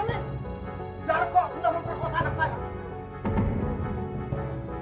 pak jarko sudah memperkosa anak saya